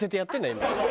今。